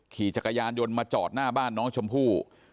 ขี่จักรยานยนต์มาจอดหน้าบ้านน้องชมพู่